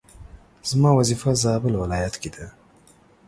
زما وظيفه زابل ولايت کي ده